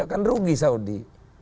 akan rugi saudi